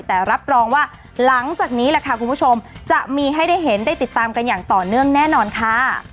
แต่รับรองว่าหลังจากนี้แหละค่ะคุณผู้ชมจะมีให้ได้เห็นได้ติดตามกันอย่างต่อเนื่องแน่นอนค่ะ